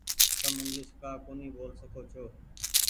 تم انگليش ڪآ ڪونيٚ ٻول سڪو ڇو۔